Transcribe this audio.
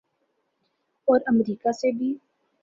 اور امریکہ سے بھی۔